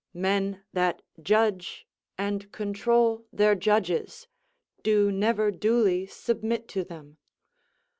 Men that judge and control their judges, do never duly submit to them.